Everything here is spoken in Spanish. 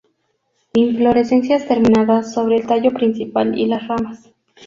Inflorescencias terminales sobre el tallo principal y las ramas.